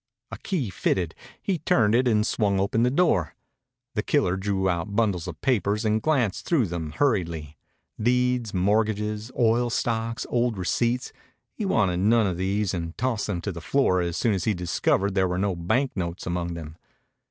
A key fitted. He turned it and swung open the door. The killer drew out bundles of papers and glanced through them hurriedly. Deeds, mortgages, oil stocks, old receipts: he wanted none of these, and tossed them to the floor as soon as he discovered there were no banknotes among them.